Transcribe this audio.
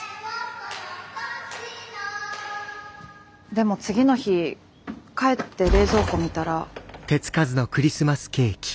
でも次の日帰って冷蔵庫見たら。